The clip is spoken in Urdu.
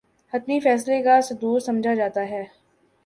حتمی فیصلے کا صدور سمجھا جاتا ہے